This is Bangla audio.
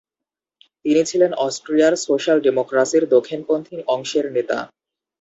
তিনি ছিলেন অস্ট্রিয়ার সোশ্যাল-ডেমোক্রাসির দক্ষিণপন্থী অংশের নেতা।